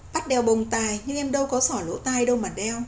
bắt đeo bồng tai nhưng em đâu có sỏ lỗ tai đâu mà đeo